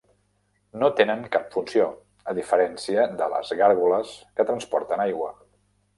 No tenen cap funció, a diferència de les gàrgoles que transporten aigua.